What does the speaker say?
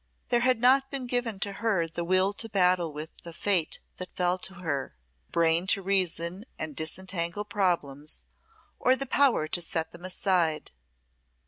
There had not been given to her the will to battle with the Fate that fell to her, the brain to reason and disentangle problems, or the power to set them aside.